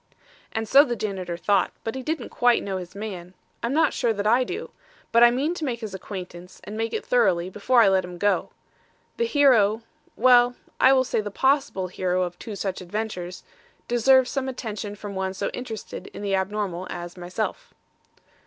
"And so the janitor thought, but he didn't quite know his man. I'm not sure that I do. But I mean to make his acquaintance and make it thoroughly before I let him go. The hero well, I will say the possible hero of two such adventures deserves some attention from one so interested in the abnormal as myself."